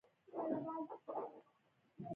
هغوی یوځای د سپوږمیز خزان له لارې سفر پیل کړ.